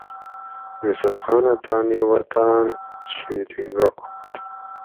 یوسف خانہ تانی وطاۤن چھیری گا